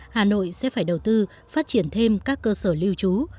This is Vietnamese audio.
hà nội sẽ phải đầu tư phát triển thêm các cơ sở lưu trú